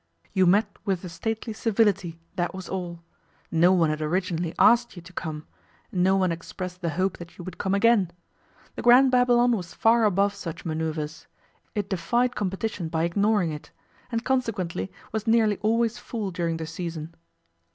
You met with a stately civility, that was all. No one had originally asked you to come; no one expressed the hope that you would come again. The Grand Babylon was far above such manoeuvres; it defied competition by ignoring it; and consequently was nearly always full during the season.